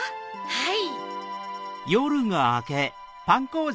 はい！